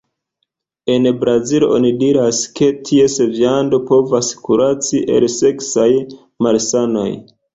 En Brazilo oni diras, ke ties viando povas kuraci el seksaj malsanoj.